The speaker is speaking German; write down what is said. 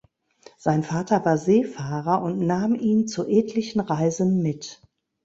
Sein Vater war Seefahrer und nahm ihn zu etlichen Reisen mit.